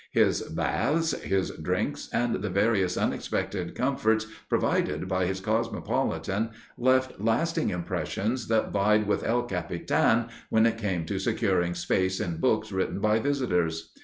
His baths, his drinks, and the various unexpected comforts provided by his Cosmopolitan left lasting impressions that vied with El Capitan when it came to securing space in books written by visitors.